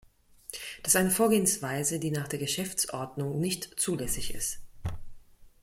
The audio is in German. Das eine Vorgehensweise, die nach der Geschäftsordnung nicht zulässig ist!